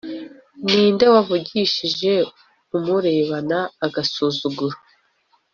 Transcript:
Ni nde wavugishije umurebana agasuzuguro?